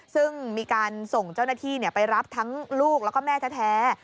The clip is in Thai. ซึ่งมีการส่งเจ้าหน้าที่ไปรับทั้งลูกแล้วก็แม่แท้